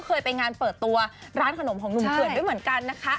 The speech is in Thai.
เคยไปงานเปิดตัวร้านขนมของหนุ่มเขื่อนด้วยเหมือนกันนะคะ